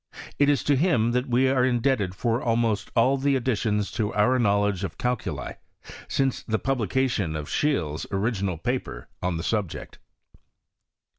It is to htm dut we are iudebted for almost ail the additions to our knowledge of calculi since the publication ofScheele's original paper oa the subject.